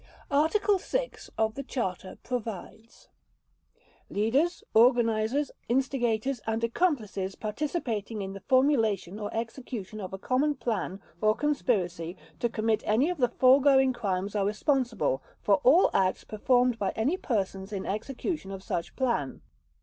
Article 6 of the Charter provides: "Leaders, organizers, instigators, and accomplices participating in the formulation or execution of a Common Plan or Conspiracy to commit any of the foregoing crimes are responsible for all acts performed by any persons in execution of such plan."